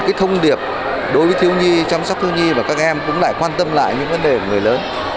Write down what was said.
cái thông điệp đối với thiếu nhi chăm sóc thiếu nhi và các em cũng lại quan tâm lại những vấn đề của người lớn